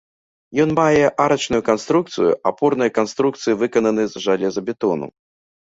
Ён мае арачную канструкцыю, апорнай канструкцыі выкананы з жалезабетону.